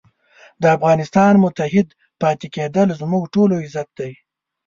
د افغانستان متحد پاتې کېدل زموږ ټولو عزت دی.